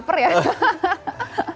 apa nih yang dimasak